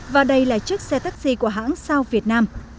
và đây là chiếc xe taxi của hãng sao việt nam